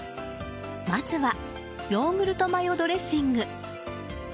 まずはヨーグルトマヨドレッシング。